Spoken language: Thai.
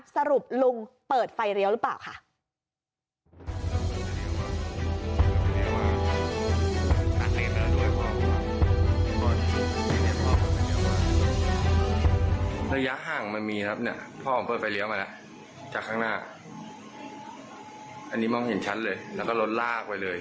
สรุปลุงเปิดไฟเลี้ยวหรือเปล่าค่ะ